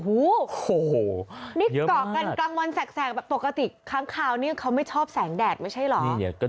โอ้โหนี่เกาะกันกลางวันแสกแบบปกติค้างคาวนี่เขาไม่ชอบแสงแดดไม่ใช่เหรอ